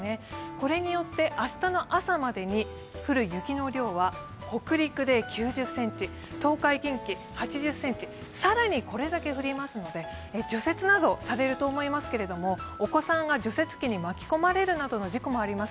これによって明日の朝までに降る雪の量は北陸で９０ｃｍ、東海・近畿８０ｃｍ更にこれだけ降りますので除雪などされると思いますけれども、お子さんが除雪機に巻き込まれるなどの事故もあります